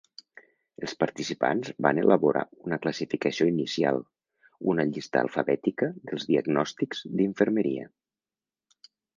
Els participants van elaborar una classificació inicial, una llista alfabètica dels diagnòstics d'infermeria.